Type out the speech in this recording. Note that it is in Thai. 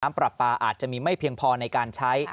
ปรับปลาอาจจะมีไม่เพียงพอในการใช้